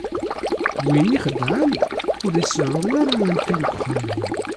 Win ixeddɛen, ur iseɛɛu ara amkan deg uxxam-iw.